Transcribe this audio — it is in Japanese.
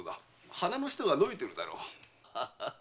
鼻の下がのびてるだろう。